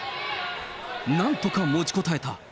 なんとか持ちこたえた。